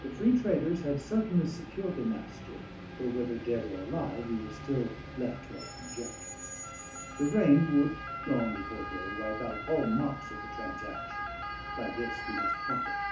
The free traders had certainly secured the Master, though whether dead or alive we were still left to our conjectures; the rain would, long before day, wipe out all marks of the transaction; by this we must profit.